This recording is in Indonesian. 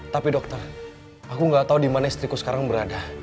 tapi dokter aku gak tau dimana istriku sekarang berada